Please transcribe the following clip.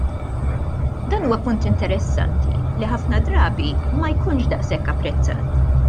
Dan huwa punt interessanti li ħafna drabi ma jkunx daqshekk apprezzat.